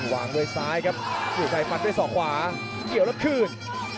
วางไว้ซ้ายครับสู่ใจปัดด้วยส่อขวาเดี่ยวละคลื่น